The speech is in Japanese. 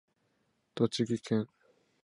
栃木県那須町